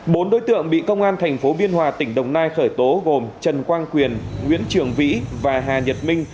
bốn đối tượng bị công an thành phố biên hòa tỉnh đồng nai khởi tố gồm trần quang quyền nguyễn trường vĩ và hà nhật minh